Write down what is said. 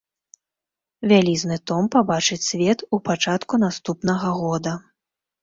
Вялізны том пабачыць свет у пачатку наступнага года.